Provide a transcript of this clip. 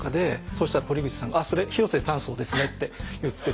そしたら堀口さんが「あっそれ広瀬淡窓ですね」って言って。